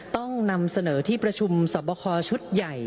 ต้องนำเสนอที่ประชุมสอบคอชุดใหญ่